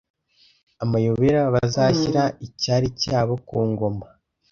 amayobera bazashyira icyari cyabo ku ngoma